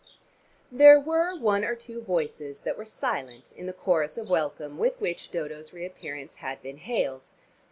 There were one or two voices that were silent in the chorus of welcome with which Dodo's reappearance had been hailed.